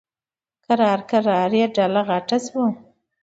کرار کرار یې ډله غټه شوه.